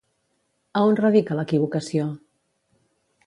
A on radica l'equivocació?